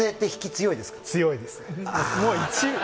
強いです。